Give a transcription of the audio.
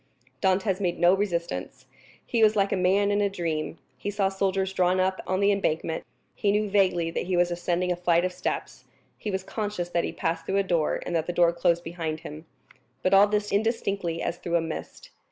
Dantès made no resistance; he was like a man in a dream; he saw soldiers drawn up on the embankment; he knew vaguely that he was ascending a flight of steps; he was conscious that he passed through a door, and that the door closed behind him; but all this indistinctly as through a mist.